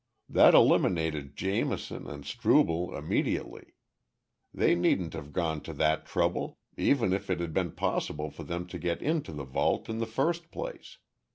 That eliminated Jamison and Strubel immediately. They needn't have gone to that trouble, even if it had been possible for them to get into the vault in the first place.